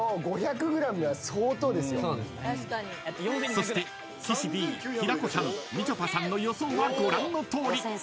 ［そして岸Ｄ平子さんみちょぱさんの予想はご覧のとおり］